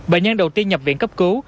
bệnh nhân đầu tiên nhập viện cấp cứu